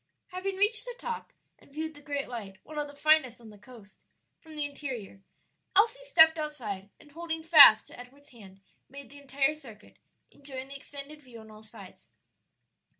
Having reached the top and viewed the great light (one of the finest on the coast) from the interior, Elsie stepped outside, and holding fast to Edward's hand made the entire circuit, enjoying the extended view on all sides.